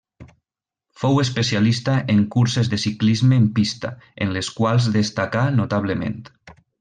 Fou especialista en curses de ciclisme en pista, en les quals destacà notablement.